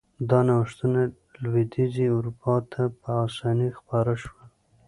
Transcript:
دا نوښتونه لوېدیځې اروپا ته په اسانۍ خپاره شول.